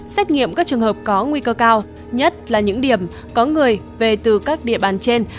xét nghiệm các trường hợp có nguy cơ cao nhất là những điểm có người về từ các địa bàn trên